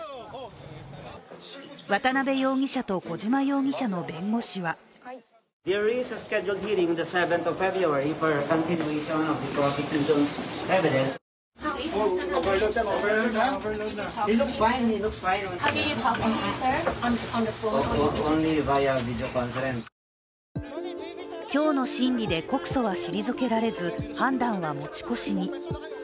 渡辺容疑者と小島容疑者の弁護士は今日の審理で告訴は退けられず判断は持ち越しに。